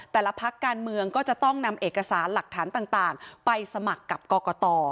แต่ละพักการเมืองก็จะต้องนำเอกสารหลักฐานต่างไปสมัครกับกรกต